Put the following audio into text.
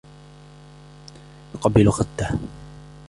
يقبل خدها.